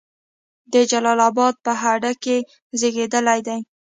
د جلال آباد په هډې کې زیږیدلی دی.